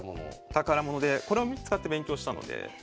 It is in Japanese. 宝物でこれを使って勉強したので。